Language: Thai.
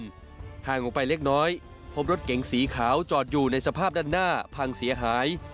ห่างออกไปเล็กน้อยพบรถเก๋งสีขาวจอดอยู่ในสภาพด้านหน้าพังเสียหาย